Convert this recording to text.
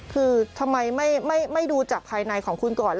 คือทำไมไม่ดูจากภายในของคุณก่อน